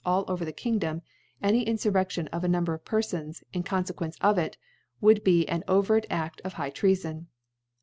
alk (85; all over the Kingdom, an^ Infurfeo tion of a Number, of Perfons, in Con fequcnce of it, would ba an overt Aft of High Treafon.